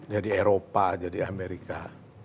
jadi eropa jadi amerika